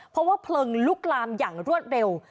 เพราะว่าเพลิงลุกลามอย่างรวดเร็ว